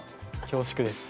恐縮です。